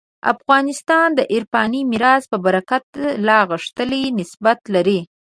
افغانستان عرفاني میراث په برکت لا غښتلی نسبت لري.